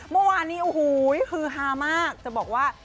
เมื่อวานนี้โอ้โหฮือฮามากจะบอกว่า